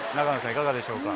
いかがでしょうか？